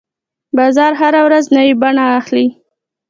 بازار هره ورځ نوې بڼه اخلي.